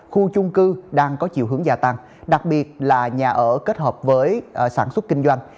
khu chung cư đang có chiều hướng gia tăng đặc biệt là nhà ở kết hợp với sản xuất kinh doanh